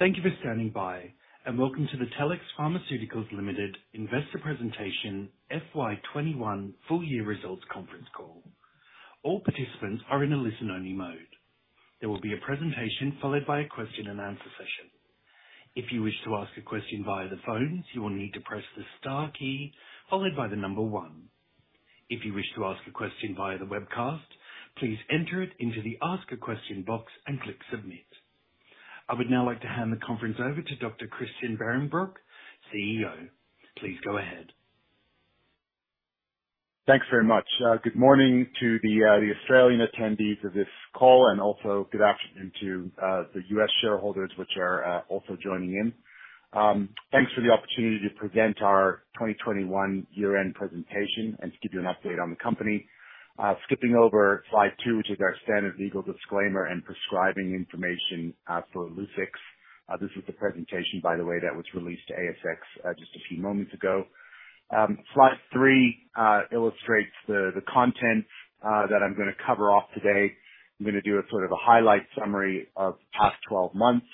Thank you for standing by, and welcome to the Telix Pharmaceuticals Limited Investor Presentation FY 2021 Full Year Results conference call. All participants are in a listen-only mode. There will be a presentation followed by a question-and-answer session. If you wish to ask a question via the phone, you will need to press the star key followed by the number one. If you wish to ask a question via the webcast, please enter it into the ask a question box and click submit. I would now like to hand the conference over to Dr. Christian Behrenbruch, CEO. Please go ahead. Thanks very much. Good morning to the Australian attendees of this call, and also good afternoon to the U.S. shareholders which are also joining in. Thanks for the opportunity to present our 2021 year-end presentation and to give you an update on the company. Skipping over slide two, which is our standard legal disclaimer and prescribing information for Illuccix. This is the presentation, by the way, that was released to ASX just a few moments ago. Slide three illustrates the content that I'm gonna cover off today. I'm gonna do a sort of a highlight summary of the past 12 months.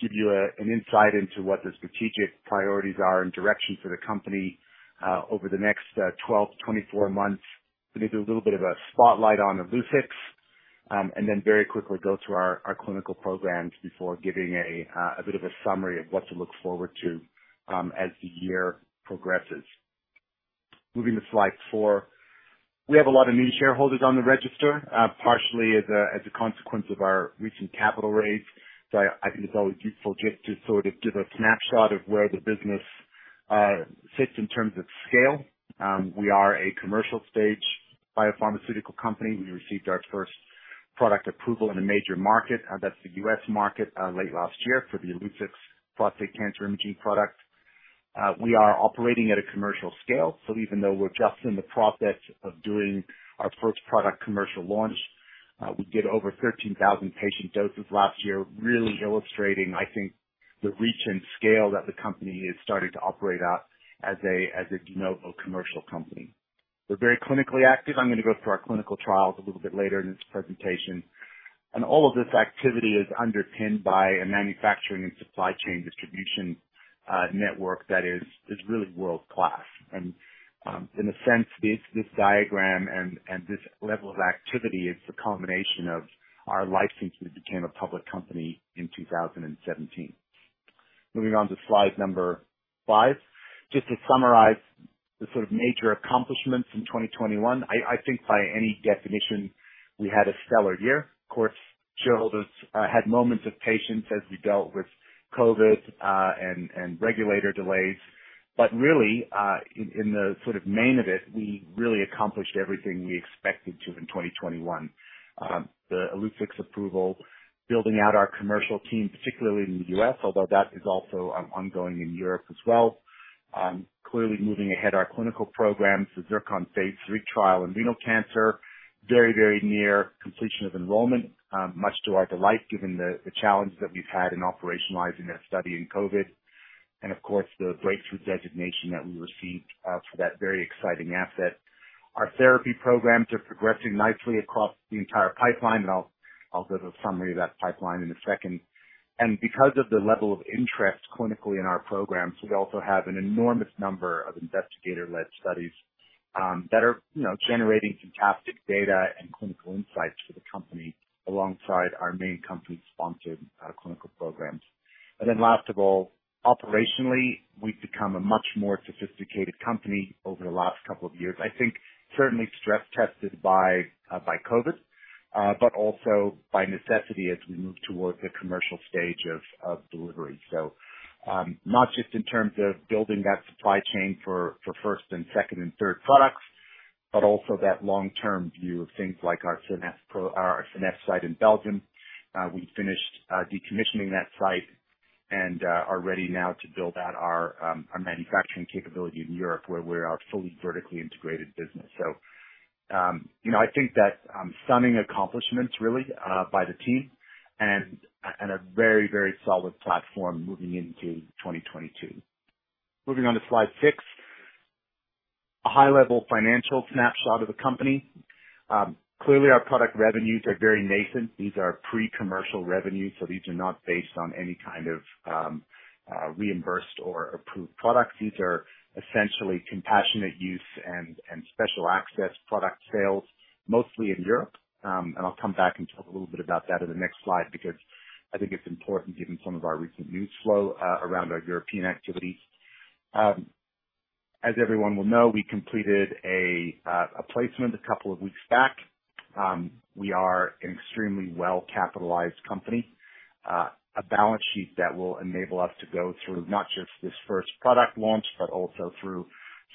Give you an insight into what the strategic priorities are and direction for the company over the next 12 to 24 months. I'm gonna do a little bit of a spotlight on Illuccix, and then very quickly go through our clinical programs before giving a bit of a summary of what to look forward to, as the year progresses. Moving to slide four. We have a lot of new shareholders on the register, partially as a consequence of our recent capital raise. I think it's always useful just to sort of give a snapshot of where the business sits in terms of scale. We are a commercial stage biopharmaceutical company. We received our first product approval in a major market, that's the U.S. market, late last year for the Illuccix prostate cancer imaging product. We are operating at a commercial scale. Even though we're just in the process of doing our first product commercial launch, we did over 13,000 patient doses last year, really illustrating, I think, the reach and scale that the company is starting to operate at as a, as a de novo commercial company. We're very clinically active. I'm gonna go through our clinical trials a little bit later in this presentation. All of this activity is underpinned by a manufacturing and supply chain distribution network that is really world-class. In a sense, this diagram and this level of activity is the culmination of our life since we became a public company in 2017. Moving on to slide five. Just to summarize the sort of major accomplishments in 2021, I think by any definition, we had a stellar year. Of course, shareholders had moments of patience as we dealt with COVID and regulator delays. But really, in the sort of main of it, we really accomplished everything we expected to in 2021. The Illuccix approval, building out our commercial team, particularly in the U.S., although that is also ongoing in Europe as well. Clearly moving ahead our clinical programs, the ZIRCON phase III trial in renal cancer, very near completion of enrollment, much to our delight, given the challenges that we've had in operationalizing that study in COVID. Of course, the breakthrough designation that we received for that very exciting asset. Our therapy programs are progressing nicely across the entire pipeline, and I'll give a summary of that pipeline in a second. Because of the level of interest clinically in our programs, we also have an enormous number of investigator-led studies that are, you know, generating fantastic data and clinical insights for the company alongside our main company-sponsored clinical programs. Last of all, operationally, we've become a much more sophisticated company over the last couple of years. I think certainly stress tested by COVID, but also by necessity as we move towards the commercial stage of delivery. So not just in terms of building that supply chain for first and second and third products, but also that long-term view of things like our Seneffe site in Belgium. We finished decommissioning that site and are ready now to build out our manufacturing capability in Europe, where we're a fully vertically integrated business. You know, I think that stunning accomplishments really by the team and a very, very solid platform moving into 2022. Moving on to slide six. A high-level financial snapshot of the company. Clearly our product revenues are very nascent. These are pre-commercial revenues, so these are not based on any kind of reimbursed or approved products. These are essentially compassionate use and special access product sales, mostly in Europe. I'll come back and talk a little bit about that in the next slide because I think it's important given some of our recent news flow around our European activity. As everyone will know, we completed a placement a couple of weeks back. We are an extremely well-capitalized company. A balance sheet that will enable us to go through not just this first product launch, but also through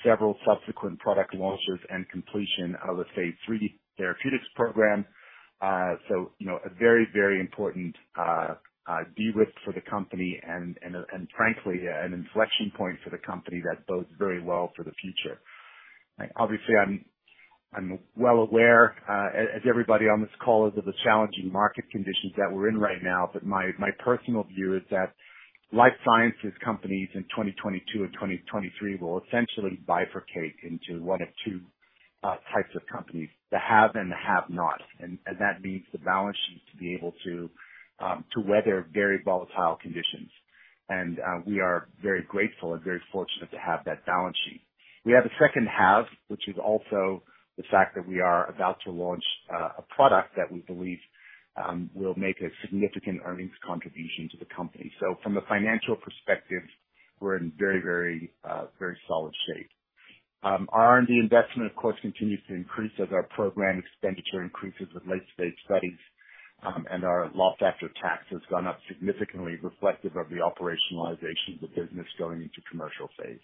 several subsequent product launches and completion of the phase III therapeutics program. So, you know, a very important de-risk for the company and frankly an inflection point for the company that bodes very well for the future. Obviously I'm well aware, as everybody on this call is, of the challenging market conditions that we're in right now, but my personal view is that life sciences companies in 2022 and 2023 will essentially bifurcate into one of two types of companies, the have and the have not. That needs the balance sheet to be able to weather very volatile conditions. We are very grateful and very fortunate to have that balance sheet. We have a second half, which is also the fact that we are about to launch a product that we believe will make a significant earnings contribution to the company. So, from a financial perspective, we're in very solid shape. R&D investment, of course, continues to increase as our program expenditure increases with late-stage studies, and our loss after tax has gone up significantly reflective of the operationalization of the business going into commercial phase.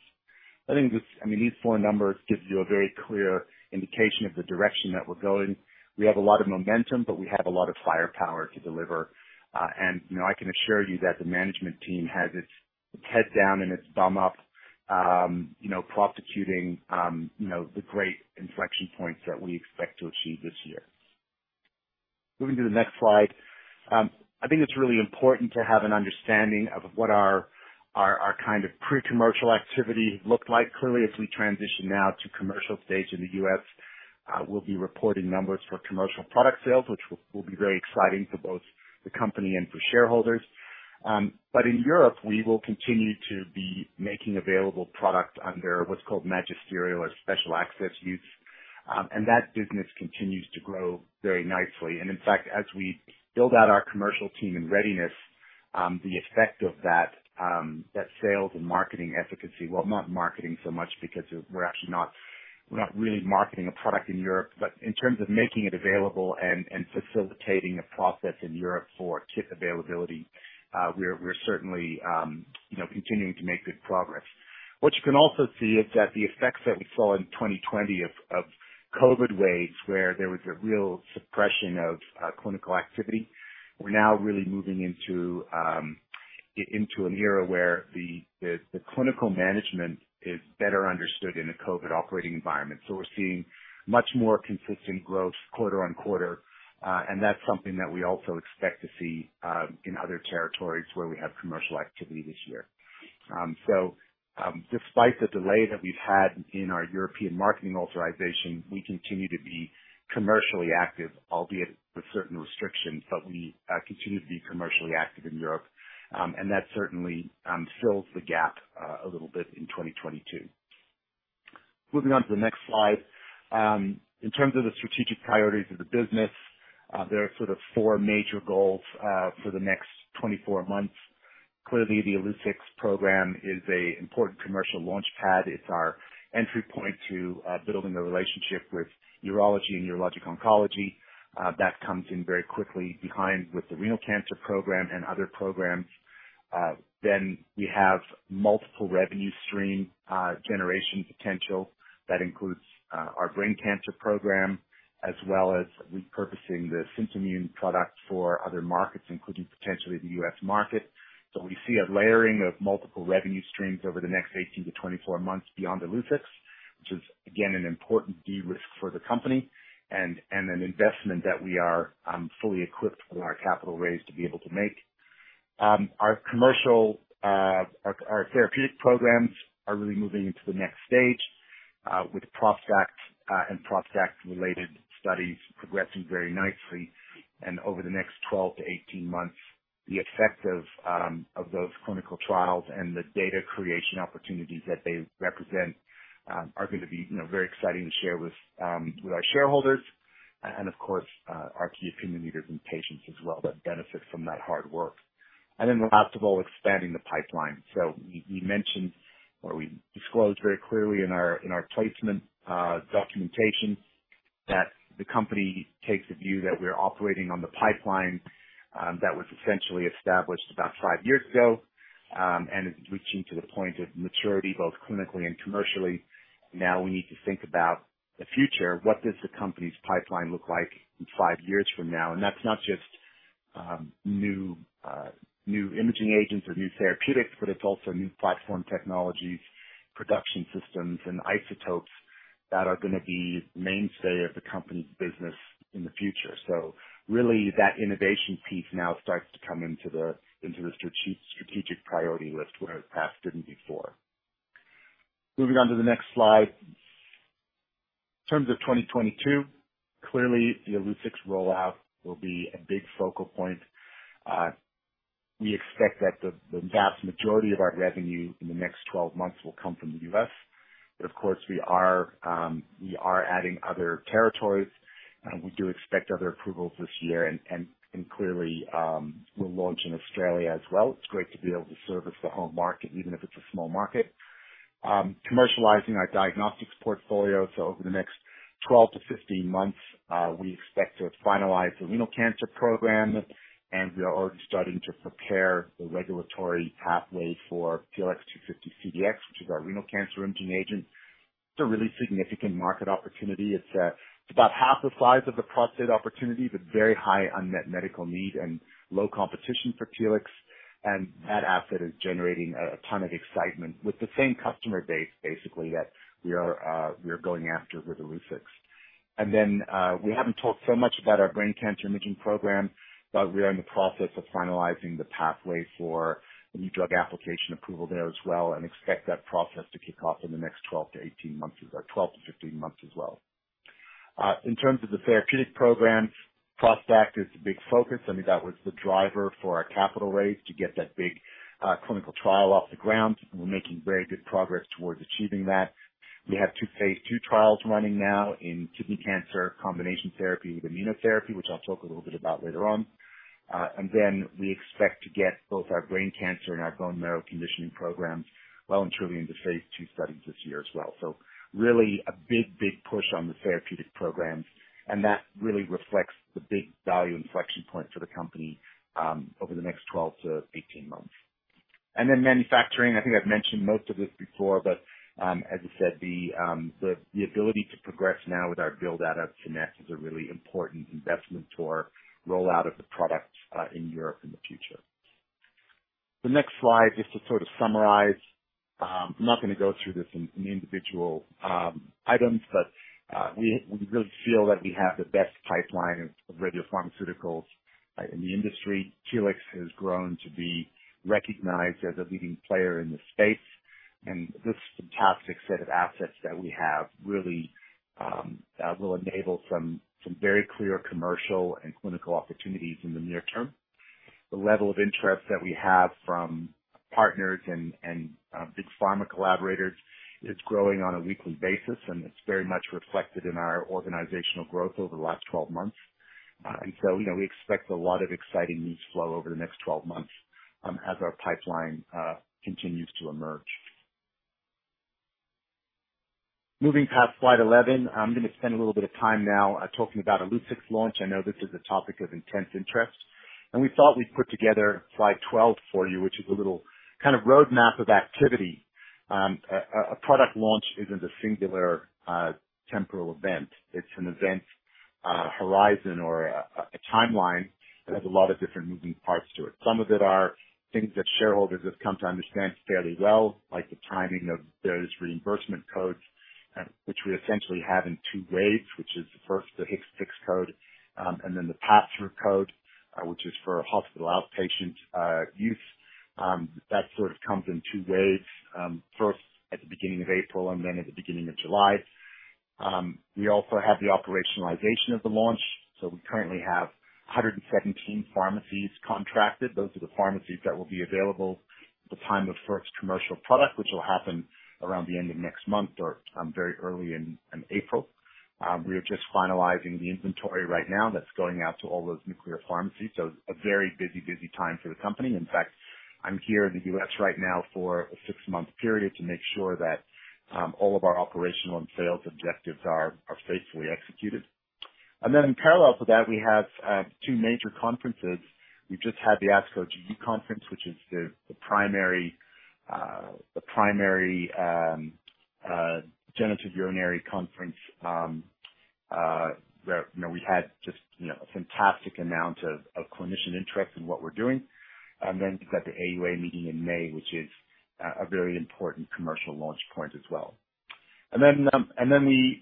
I think, I mean, these four numbers gives you a very clear indication of the direction that we're going. We have a lot of momentum, but we have a lot of firepower to deliver. And you know, I can assure you that the management team has its head down and its thumb up, you know, prosecuting, you know, the great inflection points that we expect to achieve this year. Moving to the next slide. I think it's really important to have an understanding of what our kind of pre-commercial activity looked like. Clearly, as we transition now to commercial stage in the U.S., we'll be reporting numbers for commercial product sales, which will be very exciting for both the company and for shareholders. In Europe, we will continue to be making available product under what's called magistral or special access use. That business continues to grow very nicely. In fact, as we build out our commercial team and readiness, the effect of that sales and marketing efficacy... Well, not marketing so much because we're actually not, we're not really marketing a product in Europe, but in terms of making it available and facilitating a process in Europe for tip availability, we're certainly, you know, continuing to make good progress. What you can also see is that the effects that we saw in 2020 of COVID waves, where there was a real suppression of clinical activity. We're now really moving into an era where the clinical management is better understood in a COVID operating environment. We're seeing much more consistent growth quarter-over-quarter, and that's something that we also expect to see in other territories where we have commercial activity this year. Despite the delay that we've had in our European marketing authorization, we continue to be commercially active, albeit with certain restrictions, but we continue to be commercially active in Europe. That certainly fills the gap a little bit in 2022. Moving on to the next slide. In terms of the strategic priorities of the business, there are sort of four major goals for the next 24 months. Clearly, the Illuccix program is an important commercial launch pad. It's our entry point to building a relationship with urology and urologic oncology. That comes in very quickly behind with the renal cancer program and other programs. Then, we have multiple revenue stream generation potential. That includes our brain cancer program, as well as repurposing the Scintimun product for other markets, including potentially the U.S. market. We see a layering of multiple revenue streams over the next 18-24 months beyond Illuccix, which is again an important de-risk for the company and an investment that we are fully equipped with our capital raise to be able to make. Our commercial therapeutic programs are really moving into the next stage with ProstACT and ProstACT related studies progressing very nicely. Over the next 12-18 months, the effect of those clinical trials and the data creation opportunities that they represent are gonna be you know very exciting to share with our shareholders and of course our key opinion leaders and patients as well that benefit from that hard work. And last of all, expanding the pipeline. We mentioned or we disclosed very clearly in our placement documentation that the company takes a view that we're operating on the pipeline that was essentially established about five years ago and is reaching to the point of maturity, both clinically and commercially. Now we need to think about the future. What does the company's pipeline look like in five years from now? That's not just new imaging agents or new therapeutics, but it's also new platform technologies, production systems and isotopes that are gonna be mainstay of the company's business in the future. So, really that innovation piece now starts to come into the strategic priority list where it perhaps didn't before. Moving on to the next slide. In terms of 2022, clearly the Illuccix rollout will be a big focal point. We expect that the vast majority of our revenue in the next 12 months will come from the U.S. Of course, we are adding other territories. We do expect other approvals this year and clearly, we'll launch in Australia as well. It's great to be able to service the home market, even if it's a small market. We are commercializing our diagnostics portfolio. Over the next 12-15 months, we expect to have finalized the renal cancer program, and we are already starting to prepare the regulatory pathway for TLX250-CDx, which is our renal cancer imaging agent. It's a really significant market opportunity. It's about half the size of the prostate opportunity, but very high unmet medical need and low competition for TLX. That asset is generating a ton of excitement with the same customer base, basically, that we are going after with Illuccix. We haven't talked so much about our brain cancer imaging program, but we are in the process of finalizing the pathway for a new drug application approval there as well, and expect that process to kick off in the next 12-18 months, or 12-15 months as well. In terms of the therapeutic program, ProstACT is a big focus. I mean, that was the driver for our capital raise to get that big clinical trial off the ground. We're making very good progress towards achieving that. We have two phase II trials running now in kidney cancer combination therapy with immunotherapy, which I'll talk a little bit about later on. We expect to get both our brain cancer and our bone marrow conditioning programs well and truly into phase II studies this year as well. Really a big push on the therapeutic programs, and that really reflects the big value inflection point for the company over the next 12-18 months. Manufacturing, I think I've mentioned most of this before, but as I said the ability to progress now with our build-out at Seneffe is a really important investment to our rollout of the product in Europe in the future. The next slide is to sort of summarize. I'm not gonna go through this in individual items, but we really feel that we have the best pipeline of radiopharmaceuticals in the industry. Telix has grown to be recognized as a leading player in the space, and this fantastic set of assets that we have really will enable some very clear commercial and clinical opportunities in the near term. The level of interest that we have from partners and big pharma collaborators is growing on a weekly basis, and it's very much reflected in our organizational growth over the last 12 months. You know, we expect a lot of exciting news flow over the next 12 months as our pipeline continues to emerge. Moving past slide 11, I'm gonna spend a little bit of time now talking about Illuccix launch. I know this is a topic of intense interest, and we thought we'd put together slide 12 for you, which is a little kind of roadmap of activity. A product launch isn't a singular temporal event. It's an event horizon or a timeline that has a lot of different moving parts to it. Some of it are things that shareholders have come to understand fairly well, like the timing of those reimbursement codes, which we essentially have in two waves, which is first the HCPCS code, and then the pass-through code, which is for hospital outpatient use. That sort of comes in two waves, first at the beginning of April and then at the beginning of July. We also have the operationalization of the launch. We currently have 117 pharmacies contracted. Those are the pharmacies that will be available at the time of first commercial product, which will happen around the end of next month or very early in April. We are just finalizing the inventory right now that's going out to all those nuclear pharmacies, so a very busy time for the company. In fact, I'm here in the U.S. right now for a six-month period to make sure that all of our operational and sales objectives are faithfully executed. In parallel to that, we have two major conferences. We've just had the ASCO GU conference, which is the primary genitourinary conference where you know we had just you know a fantastic amount of clinician interest in what we're doing. We've got the AUA meeting in May, which is a very important commercial launch point as well. Then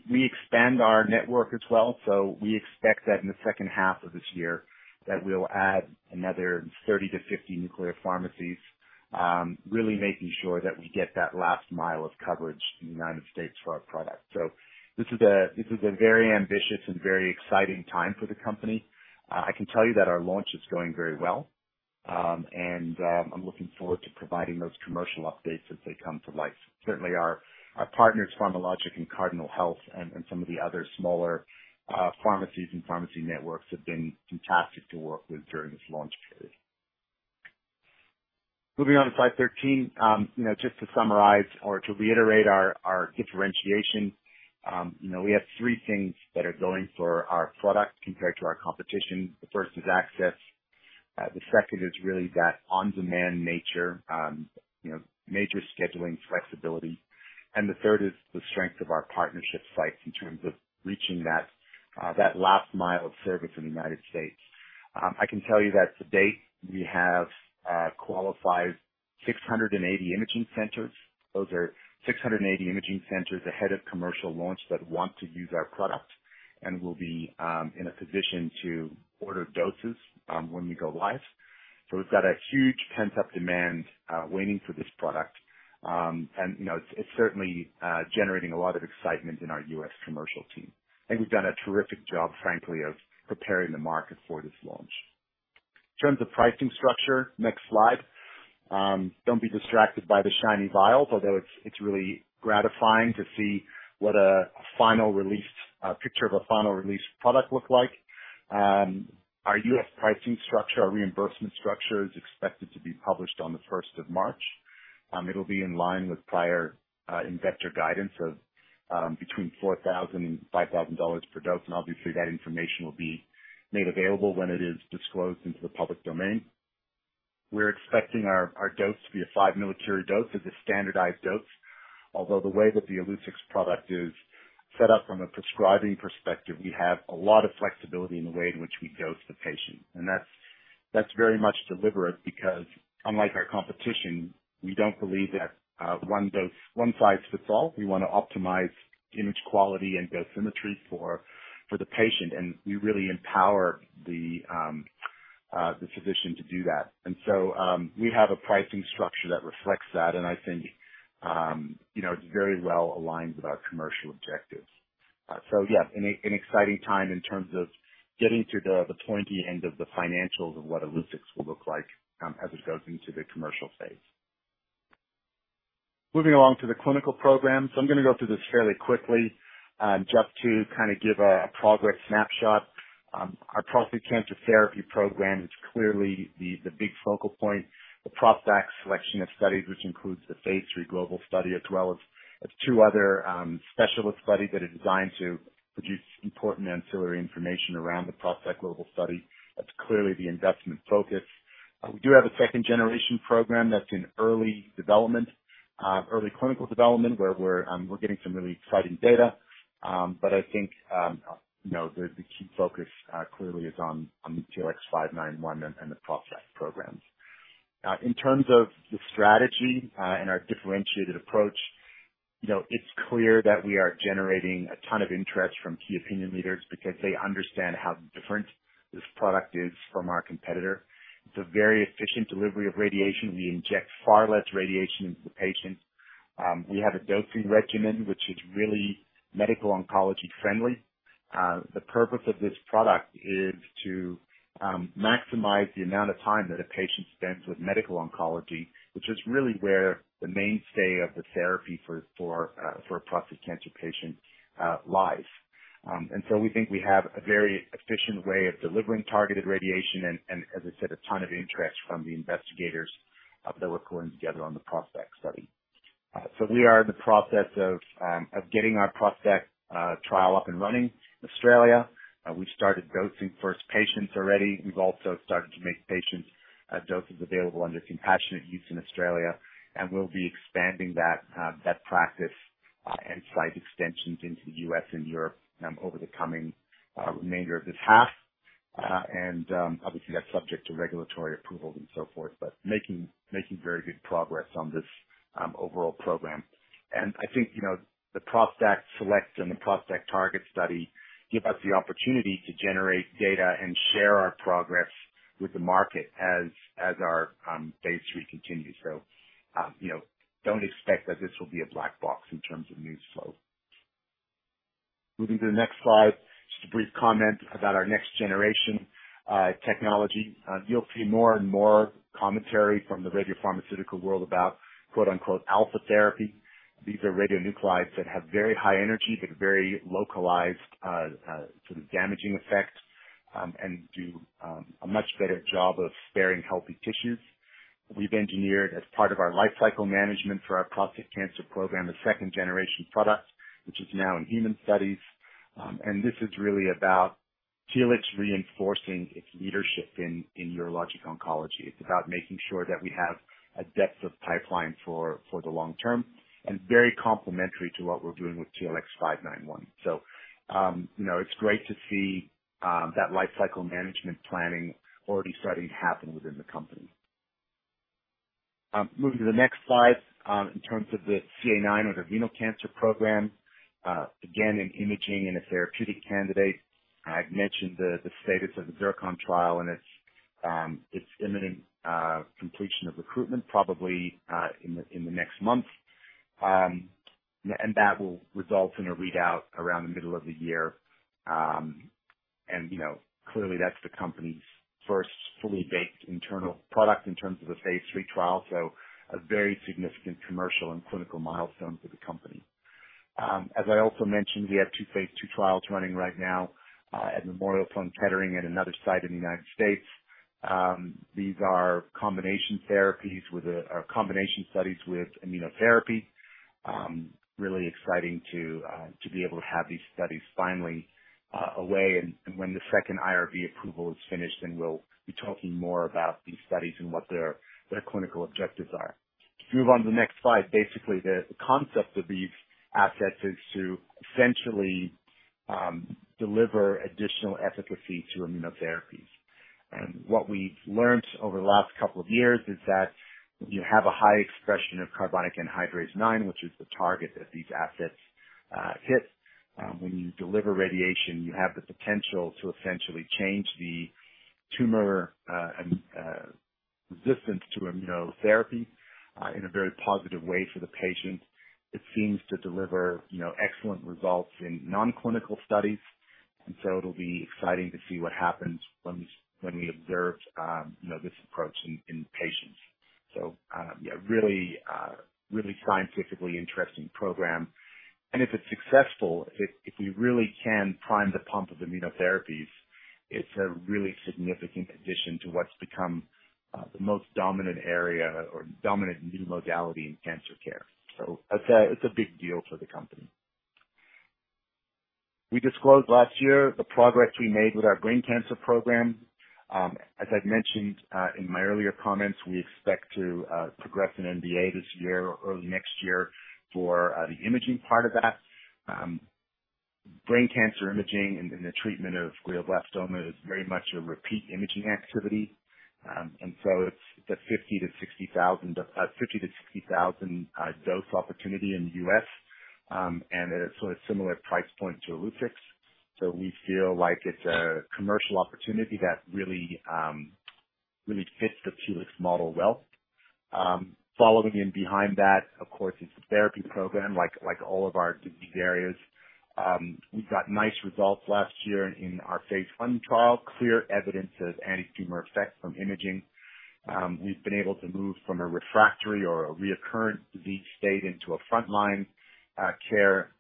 we expand our network as well. We expect that in the second half of this year that we'll add another 30-50 nuclear pharmacies, really making sure that we get that last mile of coverage in the United States for our product. This is a very ambitious and very exciting time for the company. I can tell you that our launch is going very well, and I'm looking forward to providing those commercial updates as they come to light. Certainly, our partners, PharmaLogic and Cardinal Health and some of the other smaller pharmacies and pharmacy networks have been fantastic to work with during this launch period. Moving on to slide 13. You know, just to summarize or to reiterate our differentiation, you know, we have three things that are going for our product compared to our competition. The first is access. The second is really that on-demand nature, you know, major scheduling flexibility. And the third is the strength of our partnership sites in terms of reaching that last mile of service in the United States. I can tell you that to date we have qualified 680 imaging centers. Those are 680 imaging centers ahead of commercial launch that want to use our product and will be in a position to order doses when we go live. We've got a huge pent-up demand waiting for this product. You know, it's certainly generating a lot of excitement in our U.S. commercial team. I think we've done a terrific job, frankly, of preparing the market for this launch. In terms of pricing structure, next slide. Don't be distracted by the shiny vial, although it's really gratifying to see a picture of a final released product look like. Our U.S. pricing structure, our reimbursement structure, is expected to be published on the first of March. It'll be in line with prior investor guidance of between $4,000 and $5,000 per dose, and obviously that information will be made available when it is disclosed into the public domain. We're expecting our dose to be a 5 millicurie dose as a standardized dose. Although the way that the Illuccix product is set up from a prescribing perspective, we have a lot of flexibility in the way in which we dose the patient. That's very much deliberate because unlike our competition, we don't believe that one size fits all. We wanna optimize image quality and dosimetry for the patient, and we really empower the physician to do that. We have a pricing structure that reflects that, and I think, you know, it's very well aligned with our commercial objectives. So, yeah, an exciting time in terms of getting to the pointy end of the financials of what Illuccix will look like as it goes into the commercial phase. Moving along to the clinical program. I'm gonna go through this fairly quickly, just to kinda give a progress snapshot. Our prostate cancer therapy program is clearly the big focal point. The ProstACT SELECT of studies, which includes the phase III global study, as well as two other specialist studies that are designed to produce important ancillary information around the ProstACT global study. That's clearly the investment focus. We do have a second-generation program that's in early development, early clinical development, where we're getting some really exciting data. But I think, you know, the key focus clearly is on the TLX591 and the ProstACT programs. In terms of the strategy and our differentiated approach, you know, it's clear that we are generating a ton of interest from key opinion leaders because they understand how different this product is from our competitor. It's a very efficient delivery of radiation. We inject far less radiation into the patient. We have a dosing regimen, which is really medical oncology friendly. The purpose of this product is to maximize the amount of time that a patient spends with medical oncology, which is really where the mainstay of the therapy for a prostate cancer patient lies. We think we have a very efficient way of delivering targeted radiation, and as I said, a ton of interest from the investigators that we're pulling together on the ProstACT study. We are in the process of getting our ProstACT trial up and running in Australia. We've started dosing first patients already. We've also started to make patient doses available under compassionate use in Australia, and we'll be expanding that practice and site extensions into the U.S. and Europe over the coming remainder of this half. And obviously, that's subject to regulatory approvals and so forth, but making very good progress on this overall program. I think, you know, the ProstACT SELECT and the ProstACT TARGET study give us the opportunity to generate data and share our progress with the market as our phase III continues. So, you know, don't expect that this will be a black box in terms of news flow. Moving to the next slide, just a brief comment about our next-generation technology. You'll see more and more commentary from the radiopharmaceutical world about quote-unquote alpha therapy. These are radionuclides that have very high energy, but very localized sort of damaging effect, and do a much better job of sparing healthy tissues. We've engineered as part of our lifecycle management for our prostate cancer program, a second-generation product, which is now in human studies. This is really about Telix reinforcing its leadership in urologic oncology. It's about making sure that we have a depth of pipeline for the long term, and very complementary to what we're doing with TLX591. You know, it's great to see that lifecycle management planning already starting to happen within the company. Moving to the next slide, in terms of the CA9 or the renal cancer program, again, an imaging and a therapeutic candidate. I've mentioned the status of the ZIRCON trial and its imminent completion of recruitment probably in the next month. That will result in a readout around the middle of the year. You know, clearly, that's the company's first fully baked internal product in terms of a phase III trial, so a very significant commercial and clinical milestone for the company. As I also mentioned, we have two phase II trials running right now at Memorial Sloan Kettering and another site in the United States. These are combination studies with immunotherapy. Really exciting to be able to have these studies finally away and when the second IRB approval is finished, then we'll be talking more about these studies and what their clinical objectives are. To move on to the next slide. Basically, the concept of these assets is to essentially deliver additional efficacy to immunotherapies. What we've learnt over the last couple of years is that when you have a high expression of carbonic anhydrase IX, which is the target that these assets hit, when you deliver radiation, you have the potential to essentially change the tumor resistance to immunotherapy in a very positive way for the patient. It seems to deliver, you know, excellent results in non-clinical studies, and it'll be exciting to see what happens when we observe, you know, this approach in patients. Really scientifically interesting program. If it's successful, if we really can prime the pump of immunotherapies, it's a really significant addition to what's become the most dominant area or dominant new modality in cancer care. It's a big deal for the company. We disclosed last year the progress we made with our brain cancer program. As I've mentioned in my earlier comments, we expect to progress an NDA this year or early next year for the imaging part of that. Brain cancer imaging and the treatment of glioblastoma is very much a repeat imaging activity. It's the 50-60,000 dose opportunity in the U.S., and at a sort of similar price point to Illuccix. So, we feel like it's a commercial opportunity that really fits the Telix model well. Following in behind that, of course, is the therapy program, like all of our disease areas. We've got nice results last year in our phase I trial, clear evidence of antitumor effects from imaging. We've been able to move from a refractory or a recurrence disease state into a front line care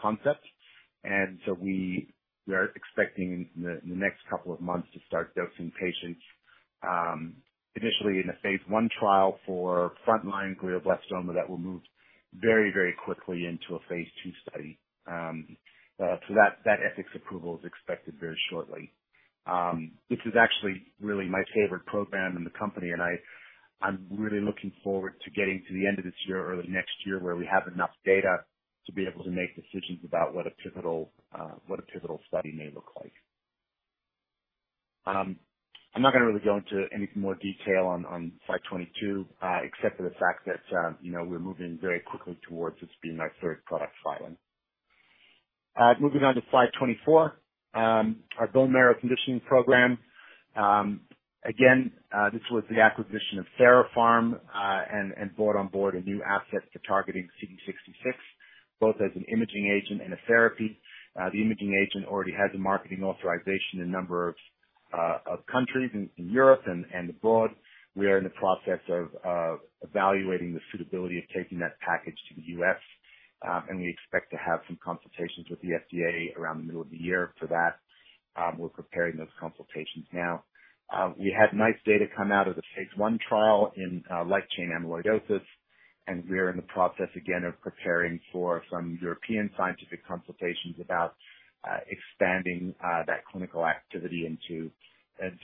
concept. We are expecting in the next couple of months to start dosing patients, initially in a phase I trial for front line glioblastoma that will move very quickly into a phase II study. That ethics approval is expected very shortly. This is actually really my favorite program in the company, and I'm really looking forward to getting to the end of this year or the next year where we have enough data to be able to make decisions about what a pivotal study may look like. I'm not gonna really go into any more detail on slide 22, except for the fact that, you know, we're moving very quickly towards this being our third product filing. Moving on to slide 24, our bone marrow conditioning program. Again, this was the acquisition of TheraPharm, and brought on board a new asset to targeting CD66, both as an imaging agent and a therapy. The imaging agent already has a marketing authorization in a number of countries in Europe and abroad. We are in the process of evaluating the suitability of taking that package to the U.S., and we expect to have some consultations with the FDA around the middle of the year for that. We're preparing those consultations now. We had nice data come out of the phase I trial in Light Chain Amyloidosis, and we're in the process again, of preparing for some European scientific consultations about expanding that clinical activity into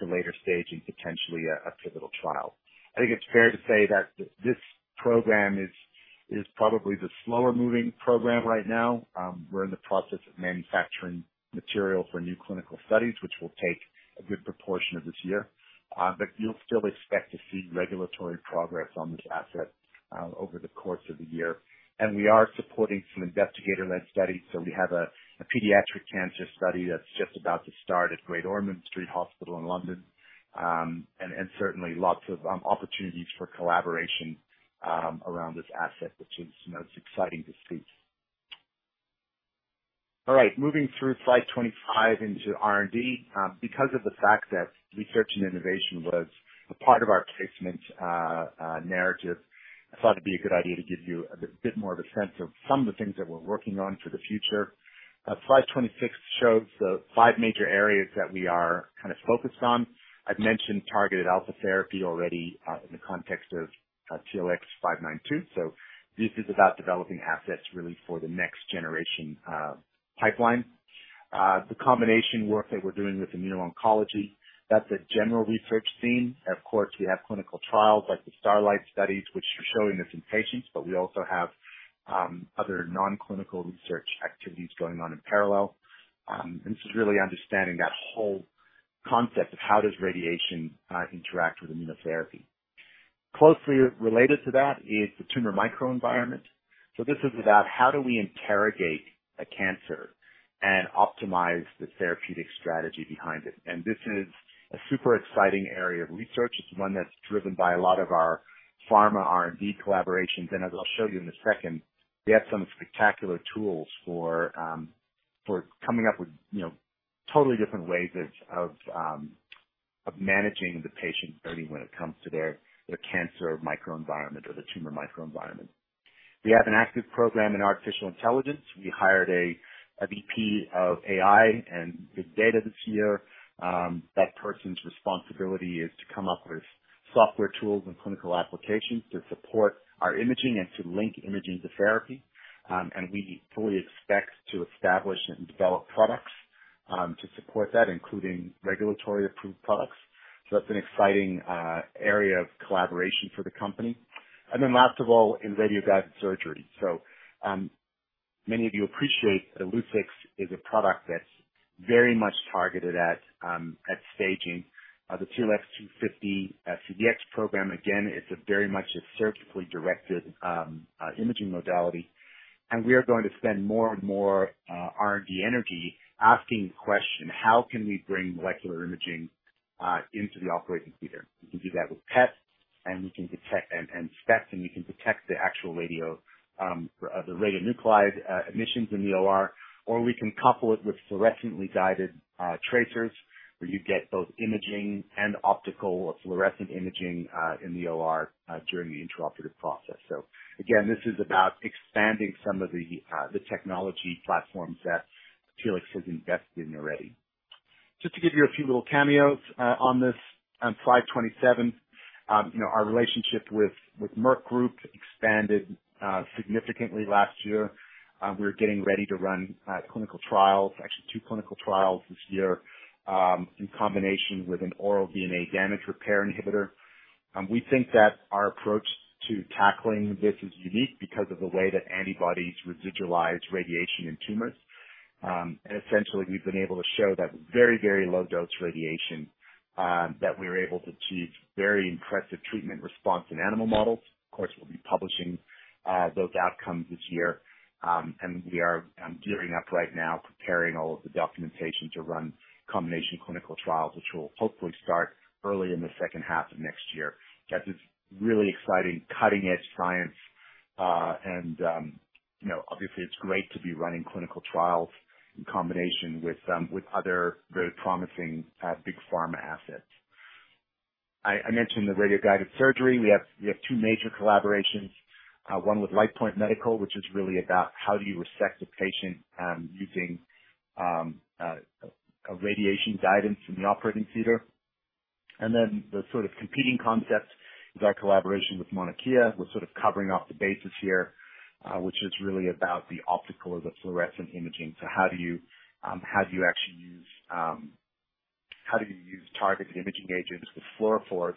later stage and potentially a pivotal trial. I think it's fair to say that this program is probably the slower moving program right now. We're in the process of manufacturing material for new clinical studies, which will take a good proportion of this year. You'll still expect to see regulatory progress on this asset over the course of the year. We are supporting some investigator-led studies. We have a pediatric cancer study that's just about to start at Great Ormond Street Hospital in London. Certainly lots of opportunities for collaboration around this asset, which is, you know, it's exciting to see. All right, moving through slide 25 into R&D. Because of the fact that research and innovation was a part of our placement narrative, I thought it'd be a good idea to give you a bit more of a sense of some of the things that we're working on for the future. Slide 26 shows the five major areas that we are kinda focused on. I've mentioned targeted alpha therapy already, in the context of TLX-592. This is about developing assets really for the next generation pipeline. The combination work that we're doing with immuno-oncology, that's a general research theme. Of course, we have clinical trials like the STARLITE studies, which are showing this in patients, but we also have other non-clinical research activities going on in parallel. This is really understanding that whole concept of how does radiation interact with immunotherapy. Closely related to that is the tumor microenvironment. This is about how do we interrogate a cancer and optimize the therapeutic strategy behind it. This is a super exciting area of research. It's one that's driven by a lot of our pharma R&D collaborations. As I'll show you in a second, we have some spectacular tools for coming up with, you know, totally different ways of managing the patient journey when it comes to their tumor microenvironment. We have an active program in artificial intelligence. We hired a VP of AI and big data this year. That person's responsibility is to come up with software tools and clinical applications to support our imaging and to link imaging to therapy. We fully expect to establish and develop products to support that, including regulatory approved products. That's an exciting area of collaboration for the company. Last of all, in radioguided surgery. Many of you appreciate that Illuccix is a product that's very much targeted at staging. The TLX250-CDx program, again, is very much a surgically directed imaging modality. We are going to spend more and more R&D energy asking the question, how can we bring molecular imaging into the operating theater. We can do that with PET and SPECT, and we can detect the actual radionuclide emissions in the OR, or we can couple it with fluorescently guided tracers, where you get both imaging and optical or fluorescent imaging in the OR during the intraoperative process. This is about expanding some of the technology platforms that Telix has invested in already. Just to give you a few little cameos on this, on slide 27, you know, our relationship with Merck Group expanded significantly last year. We're getting ready to run clinical trials, actually two clinical trials this year, in combination with an oral DNA damage repair inhibitor. We think that our approach to tackling this is unique because of the way that antibodies residualize radiation in tumors. Essentially, we've been able to show that very, very low dose radiation that we were able to achieve very impressive treatment response in animal models. Of course, we'll be publishing those outcomes this year. We are gearing up right now, preparing all of the documentation to run combination clinical trials, which will hopefully start early in the second half of next year. That is really exciting, cutting-edge science. You know, obviously it's great to be running clinical trials in combination with other very promising big pharma assets. I mentioned the radioguided surgery. We have two major collaborations. One with Lightpoint Medical, which is really about how do you resect a patient using a radiation guidance in the operating theater. The sort of competing concept is our collaboration with Mauna Kea. We're sort of covering all the bases here, which is really about the optical or the fluorescent imaging. How do you actually use targeted imaging agents with fluorophores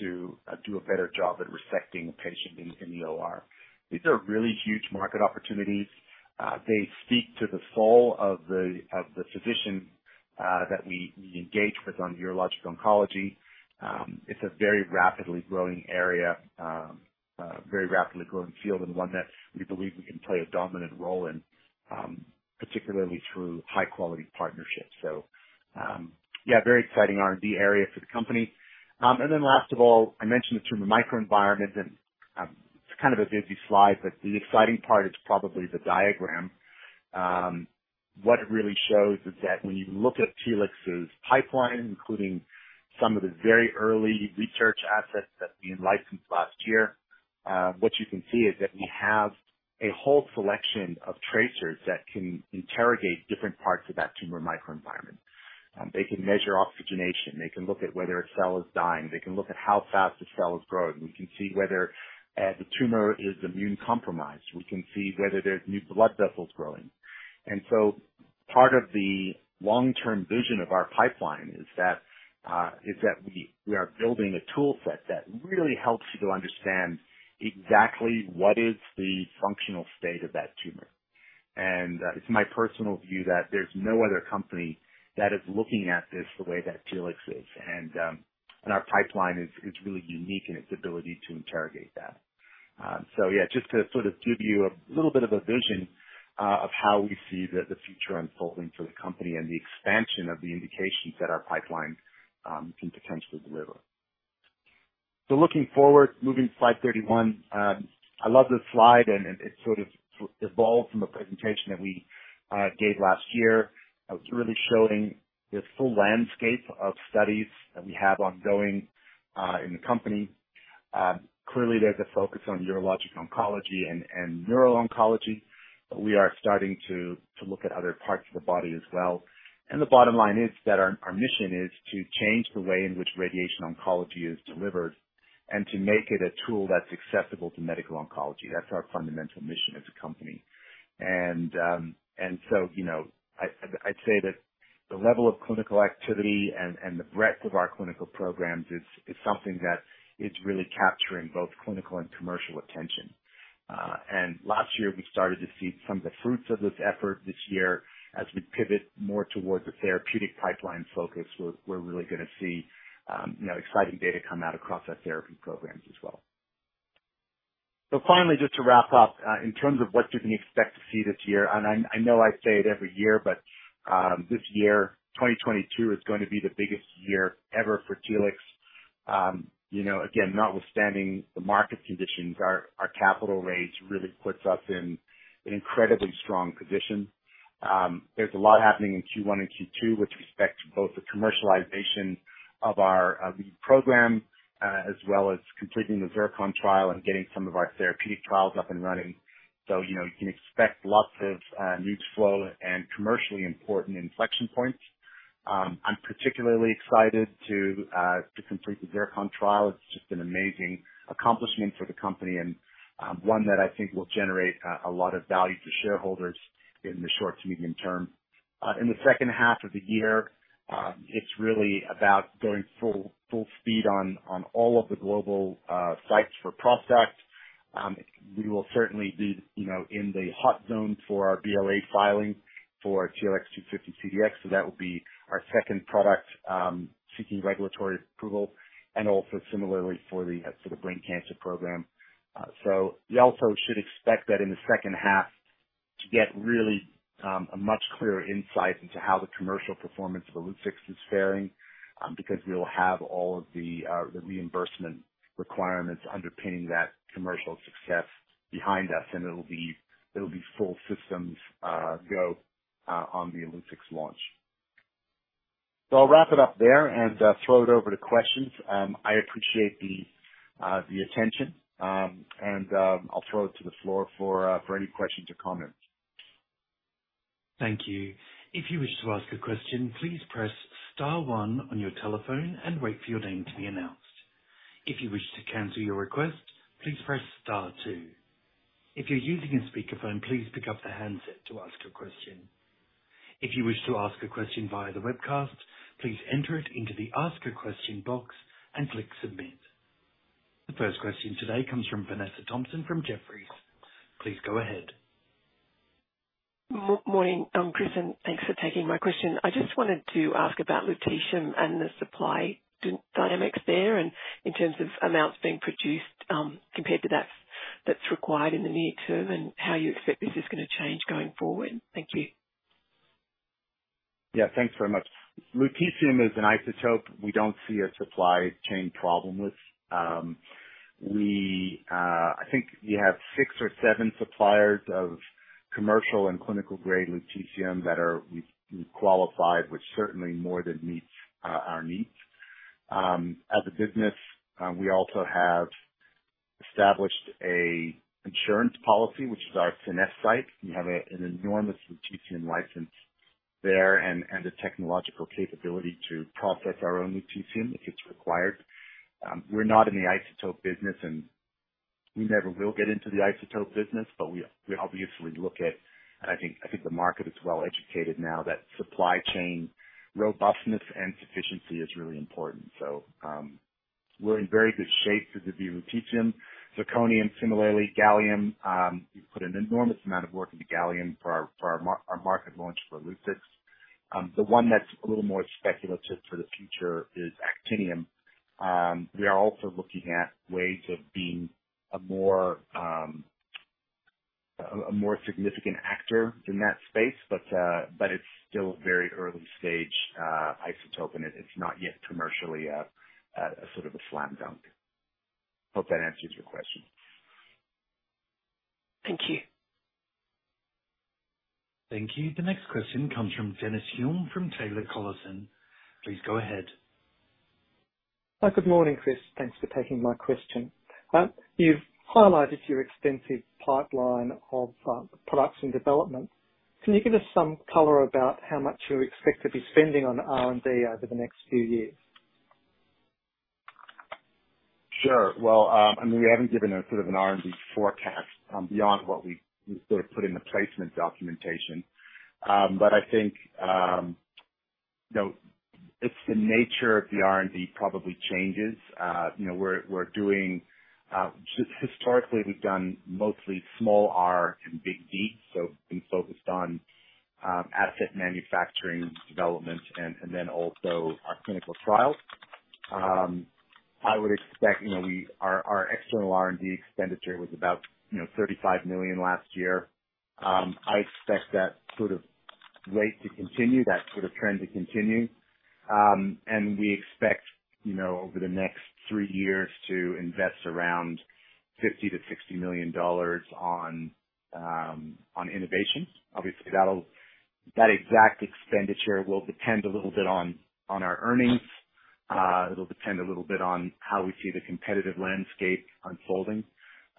to do a better job at resecting a patient in the OR? These are really huge market opportunities. They speak to the soul of the physician that we engage with on urologic oncology. It's a very rapidly growing area, very rapidly growing field and one that we believe we can play a dominant role in, particularly through high quality partnerships. Yeah, very exciting R&D area for the company. And last of all, I mentioned the tumor microenvironment, and it's kind of a busy slide, but the exciting part is probably the diagram. What it really shows is that when you look at Telix's pipeline, including some of the very early research assets that we licensed last year, what you can see is that we have a whole selection of tracers that can interrogate different parts of that tumor microenvironment. They can measure oxygenation, they can look at whether a cell is dying, they can look at how fast a cell is growing. We can see whether the tumor is immunocompromised. We can see whether there's new blood vessels growing. Part of the long-term vision of our pipeline is that we are building a tool set that really helps you to understand exactly what is the functional state of that tumor. It's my personal view that there's no other company that is looking at this the way that Telix is. Our pipeline is really unique in its ability to interrogate that. And so, yeah, just to sort of give you a little bit of a vision of how we see the future unfolding for the company and the expansion of the indications that our pipeline can potentially deliver. Looking forward, moving to slide 31. I love this slide and it sort of evolved from a presentation that we gave last year. It's really showing the full landscape of studies that we have ongoing in the company. Clearly there's a focus on urologic oncology and neuro-oncology, but we are starting to look at other parts of the body as well. The bottom line is that our mission is to change the way in which radiation oncology is delivered and to make it a tool that's accessible to medical oncology. That's our fundamental mission as a company. And so, you know, I'd say that the level of clinical activity and the breadth of our clinical programs is something that is really capturing both clinical and commercial attention. And last year we started to see some of the fruits of this effort. This year, as we pivot more towards a therapeutic pipeline focus, we're really gonna see, you know, exciting data come out across our therapy programs as well. Finally, just to wrap up, in terms of what you can expect to see this year, and I know I say it every year, but this year, 2022, is going to be the biggest year ever for Telix. You know, again, notwithstanding the market conditions, our capital raise really puts us in an incredibly strong position. There's a lot happening in Q1 and Q2 with respect to both the commercialization of our program, as well as completing the ZIRCON trial and getting some of our therapeutic trials up and running. You know, you can expect lots of news flow and commercially important inflection points. I'm particularly excited to complete the ZIRCON trial. It's just an amazing accomplishment for the company and one that I think will generate a lot of value for shareholders in the short to medium term. In the second half of the year, it's really about going full speed on all of the global sites for ProstACT. We will certainly be, you know, in the hot zone for our BLA filing for TLX250-CDx. That will be our second product seeking regulatory approval and also similarly for the brain cancer program. You also should expect that in the second half to get really a much clearer insight into how the commercial performance of Illuccix is faring, because we'll have all of the the reimbursement requirements underpinning that commercial success behind us, and it'll be full systems go on the Illuccix launch. I'll wrap it up there and throw it over to questions. I appreciate the attention. I'll throw it to the floor for any questions or comments. Thank you. If you wish to ask a question, please press star one on your telephone and wait for your name to be announced. If you wish to cancel your request, please press star two. If you're using a speakerphone, please pick up the handset to ask a question. If you wish to ask a question via the webcast, please enter it into the Ask a Question box and click Submit. The first question today comes from Vanessa Thomson from Jefferies. Please go ahead. Morning, Chris, and thanks for taking my question. I just wanted to ask about lutetium and the supply dynamics there, and in terms of amounts being produced, compared to what's required in the near term and how you expect this is gonna change going forward. Thank you. Yeah, thanks very much. Lutetium is an isotope we don't see a supply chain problem with. I think we have six or seven suppliers of commercial and clinical grade lutetium that we've qualified, which certainly more than meets our needs. As a business, we also have established an insurance policy, which is our Seneffe site. We have an enormous lutetium license there and the technological capability to process our own lutetium if it's required. We're not in the isotope business, and we never will get into the isotope business, but we obviously look at, and I think the market is well educated now that supply chain robustness and sufficiency is really important. We're in very good shape with the view of lutetium. Zirconium, similarly. Gallium, we've put an enormous amount of work into gallium for our market launch for Illuccix. The one that's a little more speculative for the future is actinium. We are also looking at ways of being a more significant actor in that space, but it's still very early-stage isotope, and it's not yet commercially a sort of slam dunk. Hope that answers your question. Thank you. Thank you. The next question comes from Dennis Hulme from Taylor Collison. Please go ahead. Good morning, Chris. Thanks for taking my question. You've highlighted your extensive pipeline of products in development. Can you give us some color about how much you expect to be spending on R&D over the next few years? Sure. Well, I mean, we haven't given a sort of an R&D forecast beyond what we sort of put in the placement documentation. But I think, you know, it's the nature of the R&D probably changes. You know, we're doing just historically, we've done mostly small R and big D, so we've been focused on asset manufacturing development and then also our clinical trials. I would expect, you know, our external R&D expenditure was about, you know, 35 million last year. I expect that sort of rate to continue, that sort of trend to continue. We expect, you know, over the next three years to invest around 50 million-60 million dollars on innovation. Obviously, that'll, that exact expenditure will depend a little bit on our earnings. It'll depend a little bit on how we see the competitive landscape unfolding.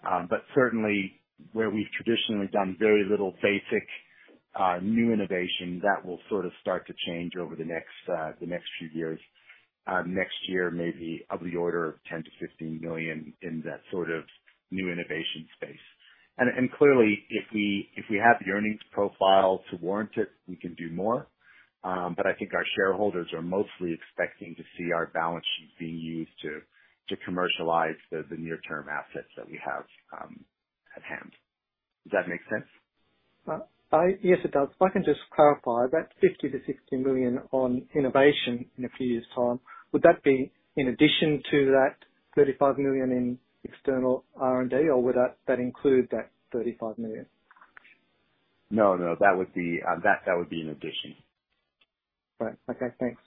But certainly where we've traditionally done very little basic new innovation, that will sort of start to change over the next few years. Next year, maybe of the order of 10 million-15 million in that sort of new innovation space. Clearly if we have the earnings profile to warrant it, we can do more. I think our shareholders are mostly expecting to see our balance sheet being used to commercialize the near term assets that we have at hand. Does that make sense? Yes, it does. If I can just clarify, that 50 million-60 million on innovation in a few years' time, would that be in addition to that 35 million in external R&D, or would that include that 35 million? No, no. That would be in addition. Right. Okay, thanks.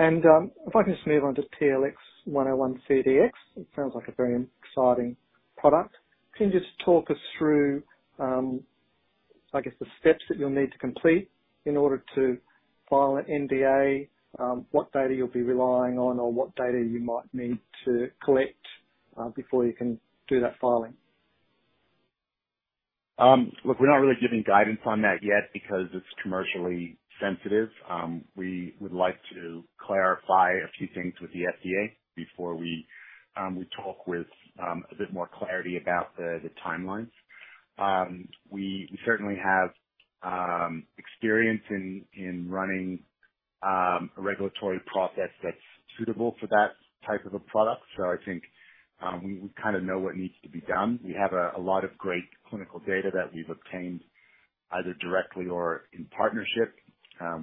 If I can just move on to TLX101-CDx. It sounds like a very exciting product. Can you just talk us through, I guess the steps that you'll need to complete in order to file an NDA, what data you'll be relying on or what data you might need to collect, before you can do that filing? Look, we're not really giving guidance on that yet because it's commercially sensitive. We would like to clarify a few things with the FDA before we talk with a bit more clarity about the timelines. We certainly have experience in running a regulatory process that's suitable for that type of a product. I think we kinda know what needs to be done. We have a lot of great clinical data that we've obtained either directly or in partnership.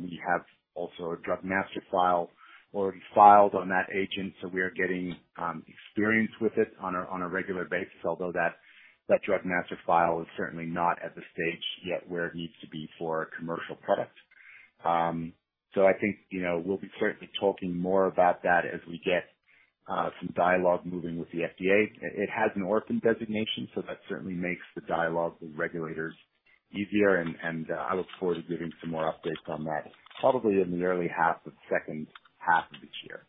We have also a Drug Master File already filed on that agent, so we are getting experience with it on a regular basis, although that Drug Master File is certainly not at the stage yet where it needs to be for a commercial product. I think, you know, we'll be certainly talking more about that as we get some dialogue moving with the FDA. It has an Orphan Drug Designation, so that certainly makes the dialogue with regulators easier and I look forward to giving some more updates on that, probably in the first half or second half of this year.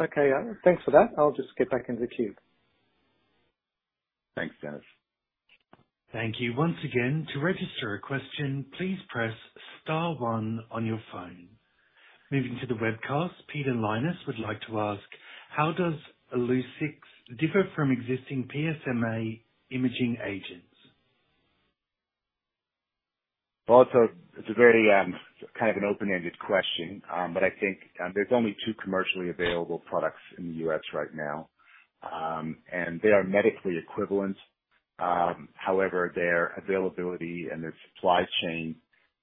Okay. Thanks for that. I'll just get back in the queue. Thanks, Dennis. Moving to the webcast, Peter Linus would like to ask, how does Illuccix differ from existing PSMA imaging agents? Well, it's a very kind of an open-ended question. I think there's only two commercially available products in the U.S. right now. And they are medically equivalent. However, their availability and their supply chain,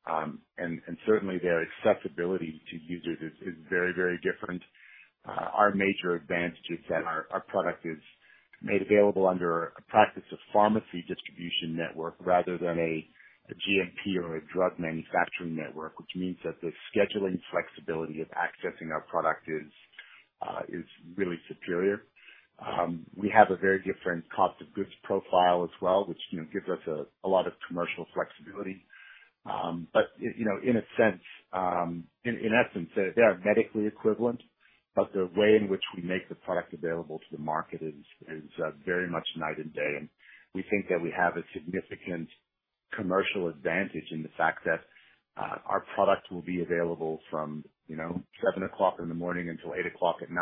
and certainly their accessibility to users is very, very different. Our major advantage is that our product is made available under a practice of pharmacy distribution network rather than a GMP or a drug manufacturing network, which means that the scheduling flexibility of accessing our product is really superior. We have a very different cost of goods profile as well, which, you know, gives us a lot of commercial flexibility. You know, in a sense, in essence, they are medically equivalent, but the way in which we make the product available to the market is very much night and day. We think that we have a significant commercial advantage in the fact that our product will be available from, you know, 7:00 A.M. until 8:00 P.M.,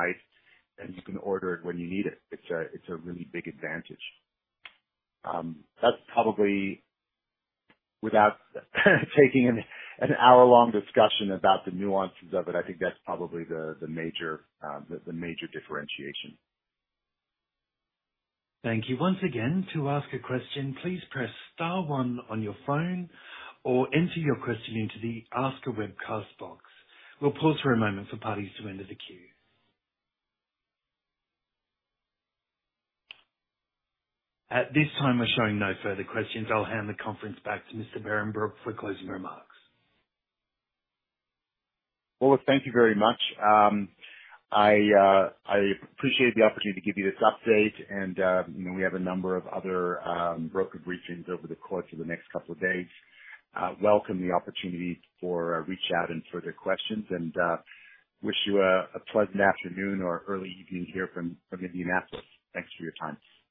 and you can order it when you need it. It's a really big advantage. That's probably without taking an hour-long discussion about the nuances of it. I think that's probably the major differentiation. Thank you. Once again, to ask a question, please press star one on your phone or enter your question into the ask a webcast box. We'll pause for a moment for parties to enter the queue. At this time, we're showing no further questions. I'll hand the conference back to Mr. Behrenbruch for closing remarks. Well, thank you very much. I appreciate the opportunity to give you this update, and you know, we have a number of other broker briefings over the course of the next couple of days. I welcome the opportunity for a reach out and further questions and wish you a pleasant afternoon or early evening here from Indianapolis. Thanks for your time.